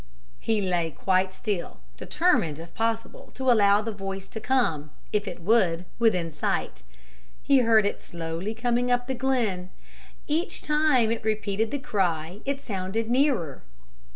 He lay quite still, determined if possible to allow the voice to come, if it would, within sight. He heard it slowly coming up the glen. Each time it repeated the cry it sounded nearer.